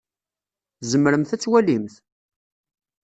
Tzemremt ad twalimt?